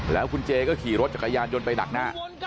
แล้วคุณเจก็ขี่รถจักรยานยนต์ไปดักหน้า